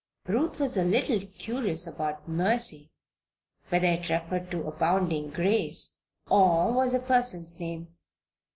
Ruth was a little curious about "Mercy" whether it referred to abounding grace, or was a person's name.